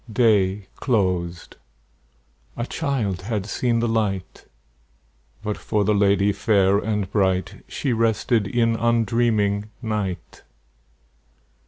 Day closed; a child had seen the light; But, for the lady fair and bright, She rested in undreaming night.